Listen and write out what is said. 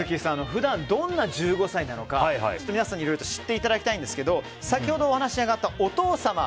普段どんな１５歳なのか皆さんにいろいろと知っていただきたいんですけど先ほどお話に上がったお父様。